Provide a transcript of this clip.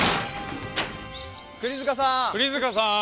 栗塚さん。